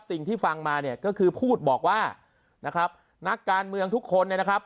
สิ่งที่ฟังมาเนี่ยก็คือพูดบอกว่านะครับนักการเมืองทุกคนเนี่ยนะครับ